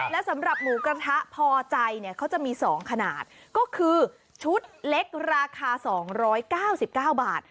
แล้วสำหรับหมูกระทะพอใจเนี้ยเขาจะมีสองขนาดก็คือชุดเล็กราคาสองร้อยเก้าสิบเก้าบาท